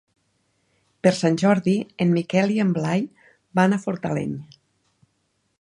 Per Sant Jordi en Miquel i en Blai van a Fortaleny.